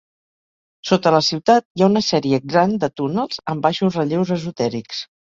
Sota la ciutat hi ha una sèrie gran de túnels amb baixos relleus esotèrics.